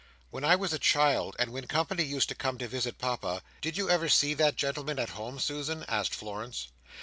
"When I was a child, and when company used to come to visit Papa, did you ever see that gentleman at home, Susan?" asked Florence.